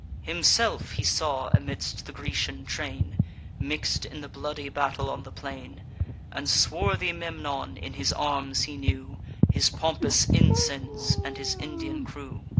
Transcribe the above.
Himself he saw amidst the Grecian train, Mix'd in the bloody battle on the plain; And swarthy Memnon in his arms he knew, His pompous ensigns, and his Indian crew.